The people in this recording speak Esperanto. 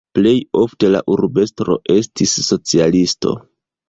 Plej ofte la urbestro estis socialisto.